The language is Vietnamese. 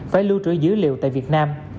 phải lưu trữ dữ liệu tại việt nam